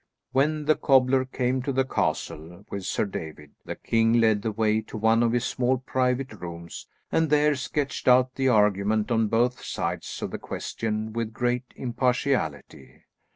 When the cobbler came to the castle with Sir David, the king led the way to one of his small private rooms, and there sketched out the argument on both sides of the question with great impartiality.